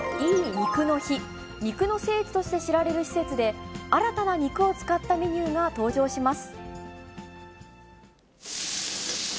肉の聖地として知られる施設で、新たな肉を使ったメニューが登場します。